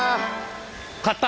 勝った！